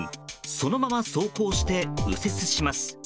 そのまま走行して右折します。